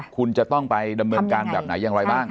คุณจะต้องไปดำเนื้องการแบบไหนยังไง